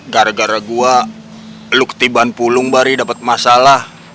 gara gara gua lu ketibaan pulung bari dapet masalah